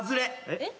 えっ？